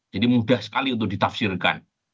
jadi mudah sekali untuk ditafsirkan